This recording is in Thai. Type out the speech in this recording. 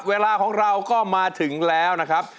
เวลาของเราก็มาถึงแล้วนะครับ